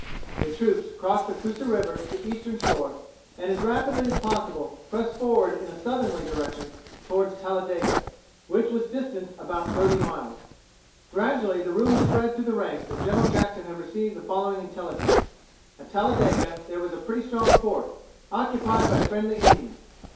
The troops crossed the Coosa River to the eastern shore, and as rapidly as possible pressed forward in a southerly direction toward Talladega, which was distant about thirty miles. Gradually the rumor spread through the ranks that General Jackson had received the following intelligence: At Talladega there was a pretty strong fort, occupied by friendly Indians.